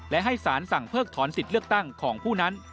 และให้สารสั่งเพิกถอนสิทธิ์เลือกตั้งของผู้นั้น